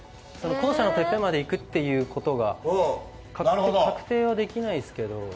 校舎のテッペンまで行くということが確定はできないですけど。